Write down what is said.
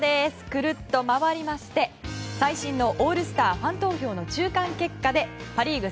くるっと回りまして最新のオールスターファン投票の中間結果でパ・リーグ